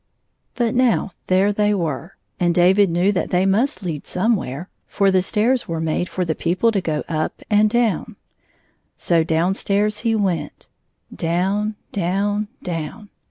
73 But now, there they were, and David knew that they must lead somewhere, for the stairs were made for the people to go up and down. So down stairs he went — down, down, down.